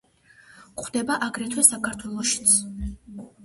გვხვდება აგრეთვე საქართველოშიც.